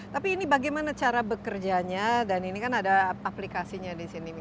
tapi ini bagaimana cara bekerjanya dan ini kan ada aplikasinya di sini